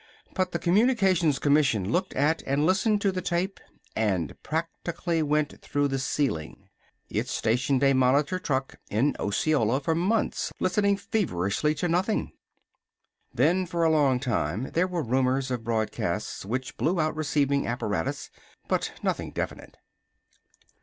But the Communications Commission looked at and listened to the tape and practically went through the ceiling. It stationed a monitor truck in Osceola for months, listening feverishly to nothing. Then for a long while there were rumors of broadcasts which blew out receiving apparatus, but nothing definite.